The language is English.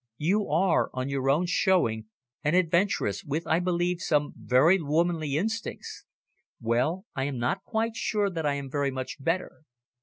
You are, on your own showing, an adventuress, with, I believe, some very womanly instincts. Well, I am not quite sure that I am very much better.